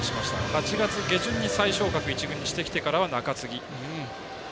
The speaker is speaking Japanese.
８月下旬に再昇格１軍にしてきてからは中継ぎ。